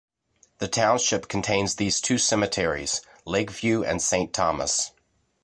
The township contains these two cemeteries: Lakeview and Saint Thomas.